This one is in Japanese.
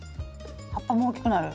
葉っぱも大きくなる？